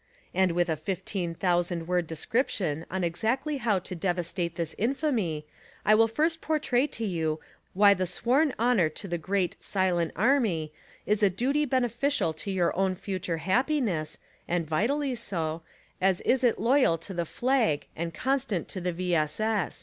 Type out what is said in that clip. and with a fifteen thousand word description on exactly how to devastate this infamy, I will first portray to you why the sworn honor to the great "silent army" is a duty beneficial to your own future happiness, and vitally so, as is it loyal to the flag and constant to the V. S. S.